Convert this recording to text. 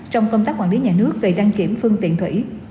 trong công tác quản lý nhà nước về đăng kiểm phương tiện thủy